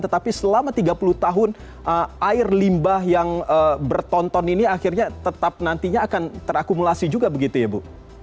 tetapi selama tiga puluh tahun air limbah yang bertonton ini akhirnya tetap nantinya akan terakumulasi juga begitu ya bu